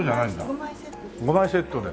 ５枚セットで。